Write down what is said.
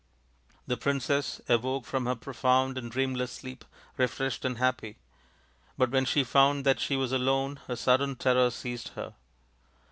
The princess awoke from her profound and dream less sleep refreshed and happy ; but when she found that she was alone a sudden terror seized her.